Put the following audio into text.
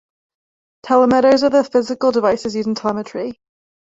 Telemeters are the physical devices used in telemetry.